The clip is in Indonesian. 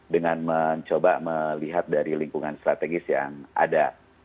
dengan mencoba melihat dari lingkungan strategis yang ada